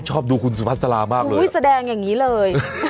ชอบดูคุณสุภาษาลามากเลยอุ้ยแสดงอย่างนี้เลย